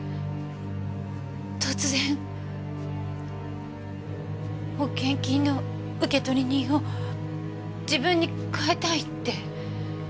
突然保険金の受取人を自分に変えたいって。